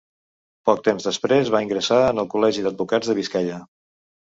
Poc temps després va ingressar en el Col·legi d'Advocats de Biscaia.